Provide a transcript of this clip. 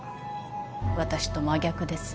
私と真逆です。